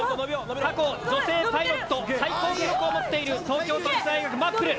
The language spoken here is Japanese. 過去女性パイロット最高記録を持っている東京都立大学ＭａＰＰＬ。